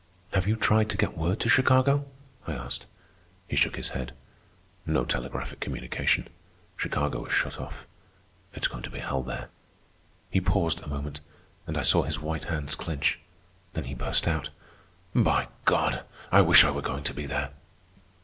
"Have you tried to get word to Chicago?" I asked. He shook his head. "No telegraphic communication. Chicago is shut off. It's going to be hell there." He paused a moment, and I saw his white hands clinch. Then he burst out: "By God! I wish I were going to be there!"